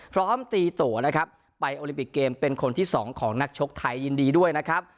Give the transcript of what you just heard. พร้อมตีตัวนะครับไปโอลิมปิกเกมเป็นคนที่สองของนักชกไทยยินดีด้วยนะครับ